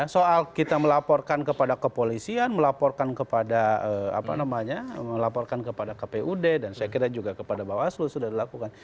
soal kita melaporkan kepada kepolisian melaporkan kepada kpud dan saya kira juga kepada bawah seluruh sudah dilakukan